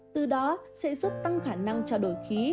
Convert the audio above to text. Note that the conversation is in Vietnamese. từ đó sẽ giúp tăng khả năng trao đổi khí